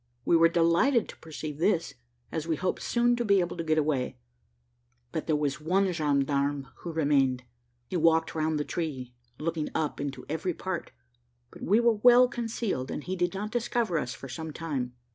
We were delighted to perceive this, as we hoped soon to be able to get away; but there was one gendarme who remained. He walked round the tree, looking up into every part; but we were well concealed, and he did not discover us for some time.